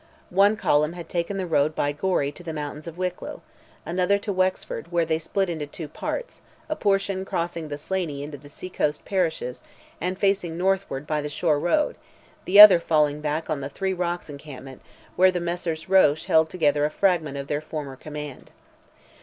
One column had taken the road by Gorey to the mountains of Wicklow—another to Wexford, where they split into two parts, a portion crossing the Slaney into the sea coast parishes, and facing northward by the shore road, the other falling back on "the three rocks" encampment, where the Messrs. Roche held together a fragment of their former command.